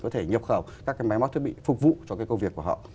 có thể nhập khẩu các cái máy móc thiết bị phục vụ cho cái công việc của họ